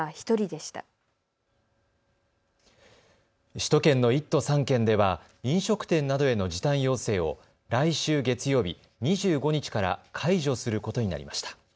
首都圏の１都３県では飲食店などへの時短要請を来週月曜日２５日から解除することになりました。